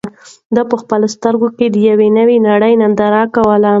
ده په خپلو سترګو کې د یوې نوې نړۍ ننداره کوله.